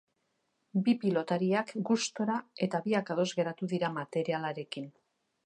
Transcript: Bi pilotariak gustora eta biak ados geratu dira materialarekin.